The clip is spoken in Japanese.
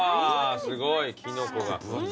すごいキノコが。